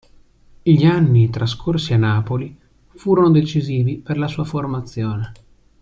Gli anni trascorsi a Napoli furono decisivi per la sua formazione.